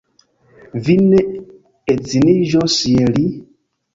Vi ne edziniĝos je li?